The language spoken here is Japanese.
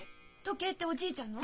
時計っておじいちゃんの？